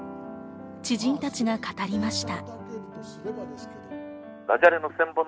知人たちが語りました。